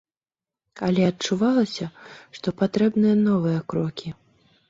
Але адчувалася, што патрэбныя новыя крокі.